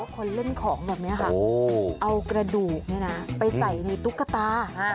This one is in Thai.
คนเล่นของแบบนี้ค่ะเอากระดูกไปใส่ในตุ๊กตา